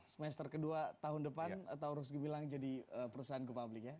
semester ke dua tahun depan atau harus dibilang jadi perusahaan go public ya